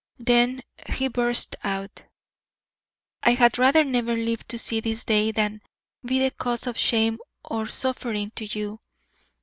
Then he burst out: "I had rather never lived to see this day than be the cause of shame or suffering to you.